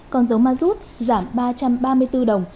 còn dầu ma rút giảm ba trăm ba mươi bốn đồng